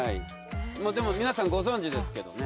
でも皆さんご存じですけどね。